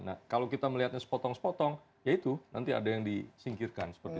nah kalau kita melihatnya sepotong sepotong ya itu nanti ada yang disingkirkan seperti itu